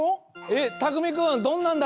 えったくみくん